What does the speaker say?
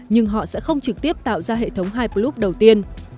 nhưng họ sẽ không trực tiếp tạo ra hệ thống hyperloop đầu tiên